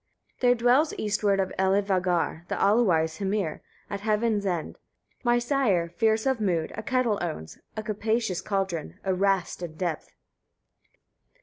5. "There dwells eastward of Elivagar the all wise Hymir, at heaven's end. My sire, fierce of mood, a kettle owns, a capacious cauldron, a rast in depth."